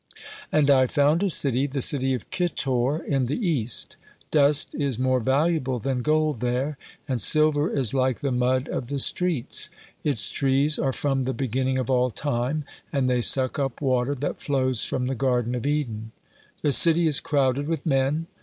(40) and I found a city, the city of Kitor, in the East. Dust is more valuable than gold there, and silver is like the mud of the streets. Its trees are from the beginning of all time, and they suck up water that flows from the Garden of Eden. The city is crowded with men.